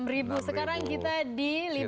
rp enam sekarang kita di rp lima empat ratus